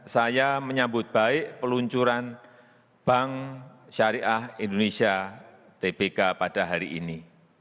saya menyambut baik peluncuran bank syariah indonesia tbk pada hari ini